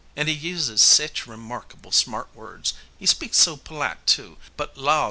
And he uses sech remarkable smart words. He speaks so polite, too. But laws!